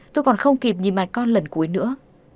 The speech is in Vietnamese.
tôi còn không kịp nhìn mặt con lần cuối nữa